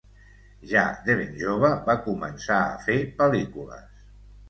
Ja de ben jove va començar a fer pel·lícules.